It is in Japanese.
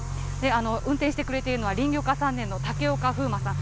運転してくれているのは、林業科３年のたけおかふうまさん。